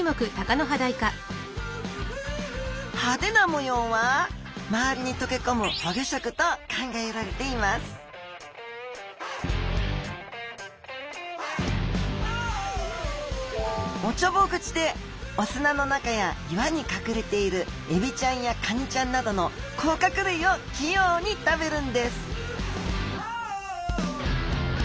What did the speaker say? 派手な模様は周りに溶け込む保護色と考えられていますおちょぼ口でお砂の中や岩に隠れているエビちゃんやカニちゃんなどの甲殻類を器用に食べるんです